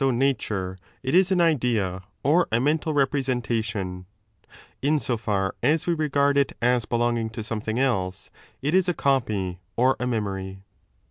MEMORY AND PHANTASM 201 nature, it is an idea or a mental representation ; in so far as we regard it as belonging to aometliing else, it is a copy t6 or a memory.